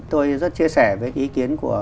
tôi rất chia sẻ với ý kiến của